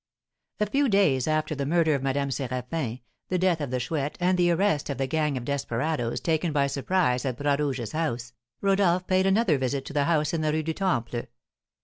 A few days after the murder of Madame Séraphin, the death of the Chouette, and the arrest of the gang of desperadoes taken by surprise at Bras Rouge's house, Rodolph paid another visit to the house in the Rue du Temple.